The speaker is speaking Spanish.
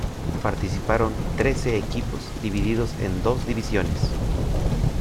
Participaron trece equipos divididos en dos divisiones.